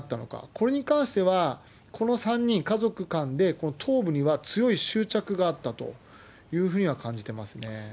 これに関しては、この３人、家族間で、この頭部には強い執着があったというふうには感じてますね。